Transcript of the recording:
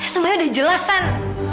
semuanya udah jelas san